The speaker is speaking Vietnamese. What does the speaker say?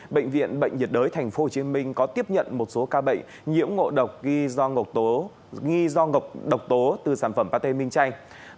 bệnh viện bệnh nhiệt đới thành phố hồ chí minh có tiếp nhận một số ca bệnh nhiễm ngộ độc nghi do ngọc độc tố từ sản phẩm pate min chay